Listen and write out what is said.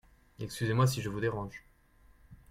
Excusez-moi si je vous dérange.